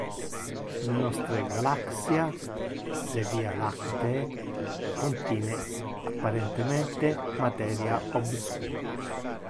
Nostre galaxia, le Via lactee, contine apparentemente materia obscur.